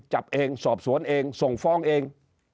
จับเองสอบสวนเองส่งฟ้องเอง